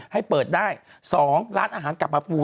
ให้เปิดได้๒ร้านอาหาร